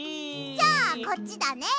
じゃあこっちだね。